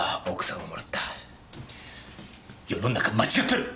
世の中間違ってる！